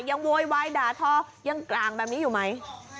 โวยวายด่าทอยังกลางแบบนี้อยู่ไหม